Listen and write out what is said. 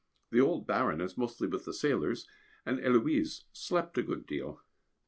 The old Baron is mostly with the sailors, and Héloise slept a good deal.